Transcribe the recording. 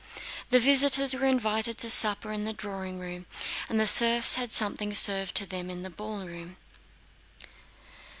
The visitors were invited to supper in the drawing room, and the serfs had something served to them in the ballroom.